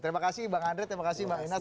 terima kasih mbak andre terima kasih mbak inas